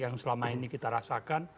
yang selama ini kita rasakan